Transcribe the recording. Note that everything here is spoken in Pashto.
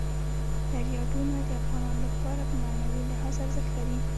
دریابونه د افغانانو لپاره په معنوي لحاظ ارزښت لري.